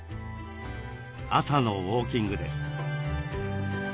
朝のウォーキングです。